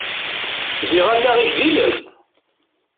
Ziɣ allaɣ-ik d ilem!